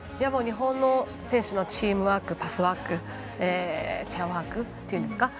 日本の選手のチームワークパスワークチェアワークっていうんですか